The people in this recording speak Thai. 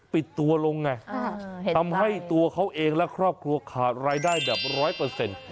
ปิดตัวลงไงทำให้ตัวเขาเองและครอบครัวขาดรายได้แบบร้อยเปอร์เซ็นต์